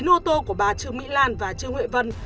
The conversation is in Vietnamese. một mươi chín ô tô của bà trương my lan và trương huệ vân